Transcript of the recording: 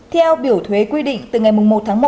theo biểu thuế quy định từ ngày một tháng một